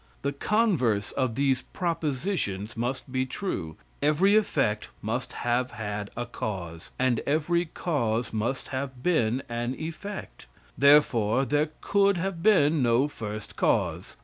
The converse of these propositions must be true. Every effect must have had a cause, and every cause must have been an effect. Therefore, there could have been no first cause.